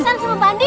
masal dan andin